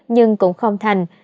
nhưng cũng không thành